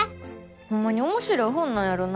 ほんまにおもしろい本なんやろな？